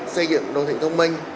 xây dựng đô thị thông minh